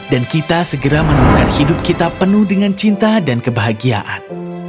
dan kita segera menemukan hidup kita penuh dengan cinta dan kebahagiaan